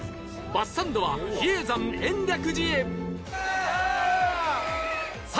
バスサンドは比叡山延暦寺へ